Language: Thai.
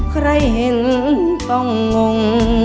ใครเห็นต้องงง